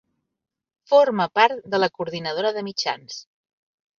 Forma part de la Coordinadora de Mitjans.